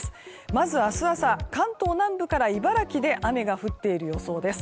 まず明日朝、関東南部から茨城で雨が降っている予想です。